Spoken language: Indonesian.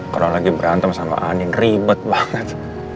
kalau lagi berantem sama anin ribet bahkan